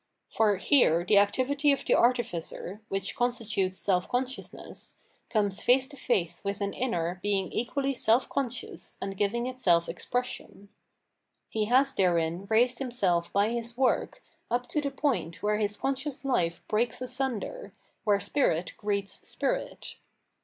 For here the activity of the artificer, which constitutes self consciousness, comes face to face with an inner being equally self conscious and giving itself ex pression. He has therein raised himself by his work up to the point where his conscious life breaks asunder, where spirit greets spirit.